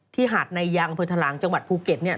หาดในยางอำเภอทะลางจังหวัดภูเก็ตเนี่ย